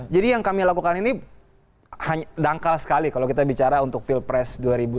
jadi yang kami lakukan ini dangkal sekali kalau kita bicara untuk pilpres dua ribu sembilan belas